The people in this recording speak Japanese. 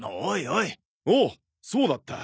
おおそうだった。